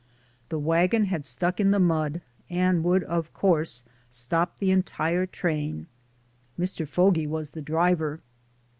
The wagon had stuck in the mud and would, of course, stop the entire train. Mr. Fogy was the driver.